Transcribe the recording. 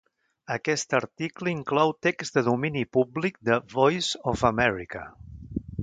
Aquest article inclou text de domini públic de "Voice of America".